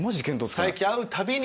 最近会うたびに。